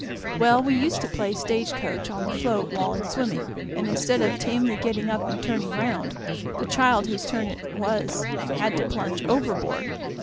Well, we used to play stage coach on the float while in swimming, and instead of tamely getting up and turning round, the child whose turn it was had to plunge overboard.